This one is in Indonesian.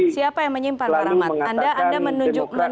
siapa yang menyimpan pak rahmat anda menunjuk ke siapa ini